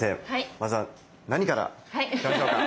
まずは何からいきましょうか。